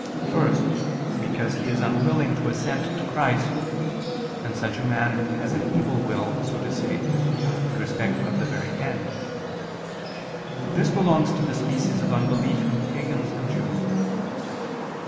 First, because he is unwilling to assent to Christ: and such a man has an evil will, so to say, in respect of the very end. This belongs to the species of unbelief in pagans and Jews.